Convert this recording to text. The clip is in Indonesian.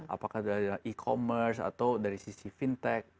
apakah dari e commerce atau dari sisi fintech